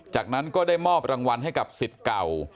จากนั้นก็ได้มอบรางวัลให้กับสิทธิ์เก่า